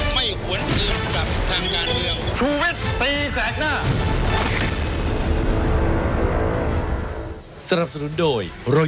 ไม่หวนอื่นกับทางงานเดียว